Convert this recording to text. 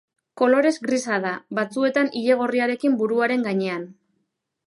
Kolorez grisa da, batzuetan ile gorriarekin buruaren gainean.